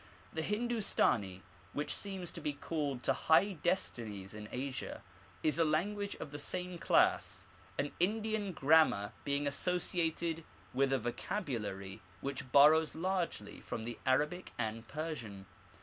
The Hindustani, which seems to be called to high destinies in Asia, is a language of the same class, an Indian grammar being associated with a vocabulary which borrows largely from the Arabic and Persian.